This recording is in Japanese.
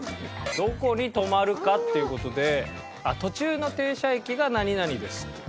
どこに止まるかっていう事で途中の停車駅が何々ですっていう。